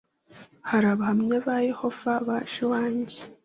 Hari Abahamya ba Yehova baje iwanjye